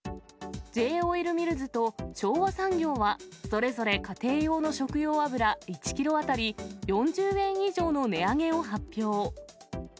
Ｊーオイルミルズと昭和産業は、それぞれ家庭用の食用油１キロ当たり４０円以上の値上げを発表。